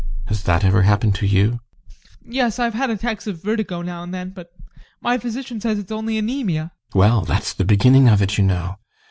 Has that ever happened to you? ADOLPH. Yes, I have had attacks of vertigo now and then, but my physician says it's only anaemia. GUSTAV. Well, that's the beginning of it, you know.